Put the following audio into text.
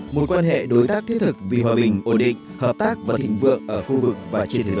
một quan hệ đối tác thiết thực vì hòa bình ổn định hợp tác và thịnh vượng ở khu vực và trên thế giới